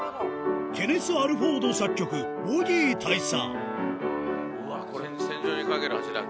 ケネス・アルフォード作曲、ボギー大佐。